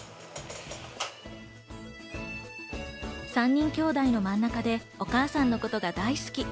３人きょうだいの真ん中でお母さんのことが大好き。